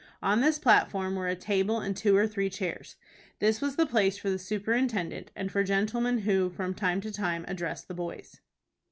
On this platform were a table and two or three chairs. This was the place for the superintendent, and for gentlemen who from time to time address the boys.